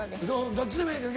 どっちでもええけど。